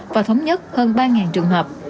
và thống nhất hơn ba trường hợp